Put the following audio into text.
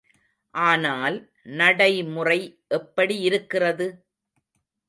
ஆனால், நடைமுறை எப்படி இருக்கிறது?